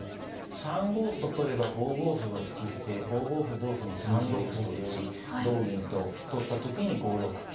３五歩と取れば５五歩を突き捨て５五歩同歩に３六歩と打ち同銀と取った時に５六桂。